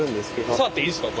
触っていいですか？